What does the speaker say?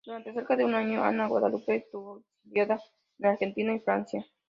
Durante cerca de un año Ana Guadalupe estuvo exiliada en Argelia y Francia.